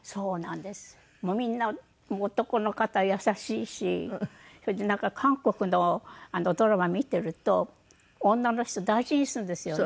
みんな男の方優しいしそれでなんか韓国のドラマを見ていると女の人を大事にするんですよね。